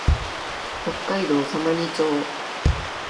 北海道様似町